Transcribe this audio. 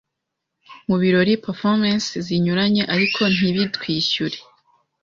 mu birori performances zinyuranye ariko ntibitwishyure